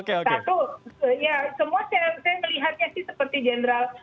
karena satu ya semua saya melihatnya sih seperti jenderal